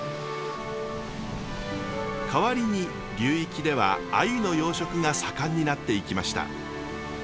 代わりに流域ではあゆの養殖が盛んになっていきました。